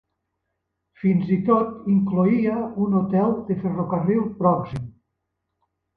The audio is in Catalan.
Fins i tot incloïa un hotel de ferrocarril pròxim.